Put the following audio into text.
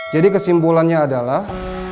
jadi kesimpulannya adalah